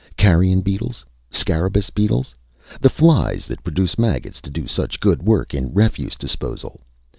Carrion beetles ... Scarabeus beetles ... The flies that produce maggots to do such good work in refuse disposal....